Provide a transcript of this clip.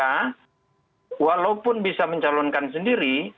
maka kalau mereka bisa mencalonkan sendiri